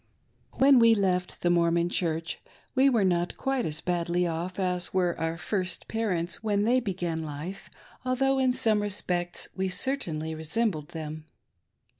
WHEN we left the Mormon Church, we were not quite as badly off as were our first parents when they began life, although in some respects we certainly resembled them.